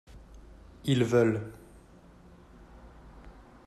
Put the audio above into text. ils veulent.